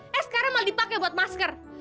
s s sekarang malah dipake buat maskr